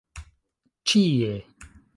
ĉie